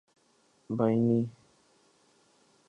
بینی